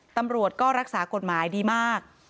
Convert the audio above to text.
ตำรวจก็รักษากฎหมายดีมาก